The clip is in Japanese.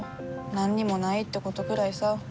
何にもないってことくらいさ。